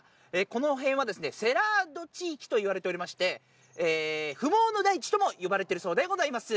この辺はセラード地域といわれておりまして、不毛の大地とも呼ばれているそうでございます。